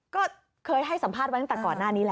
ก็เคยให้สัมภาษณ์ไว้ตั้งแต่ก่อนหน้านี้แล้ว